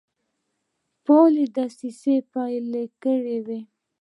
فعالي دسیسې پیل کړي وې.